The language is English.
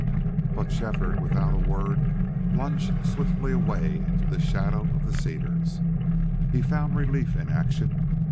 But Shefford, without a word, lunged swiftly away into the shadow of the cedars. He found relief in action.